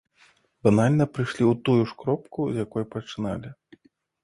Банальна прыйшлі ў тую ж кропку, з якой пачыналі.